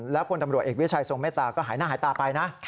แล้วพลตำรวจเอกวิชัยทรงเมตตาก็หายหน้าหายตาไปนะ